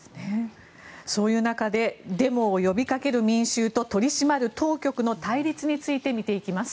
そういう中でデモを呼びかける民衆と取り締まる当局の対立について見ていきます。